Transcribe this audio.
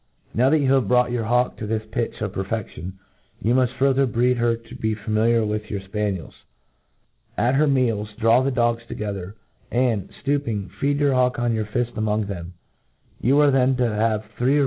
Now that you have brought your hawk to this pitch of perfedion, you muft further breed . her to be familiar with yourTpaniels. At her meals, draw the dogs together, and, ftooping, feed MODERN FAULCONRY. «; feed your hawk on your fift among them. You ar.c then to have three or